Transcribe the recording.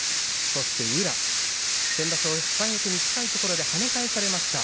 宇良、先場所三役に近いところで跳ね返されました。